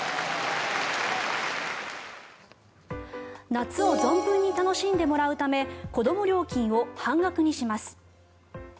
夏を存分に楽しんでもらうため子ども料金を半額にします。